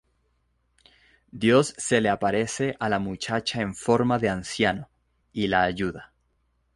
Dios se le aparece a la muchacha en forma de anciano y la ayuda.